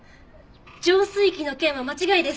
浄水器の件は間違いです！